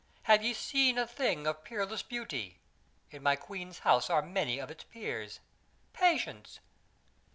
Have ye seen a thing of peerless beauty in my queen's house are many of its peers! Patience!"